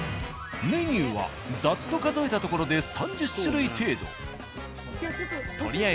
メニューはざっと数えたところで３０種類程度。